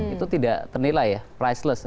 itu tidak ternilai ya